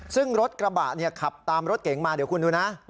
ซึ่งรถกระบะขับตามรถเก๋งมาเดี๋ยวคุณดูนะ